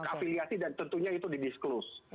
afiliasi tentunya itu di disclose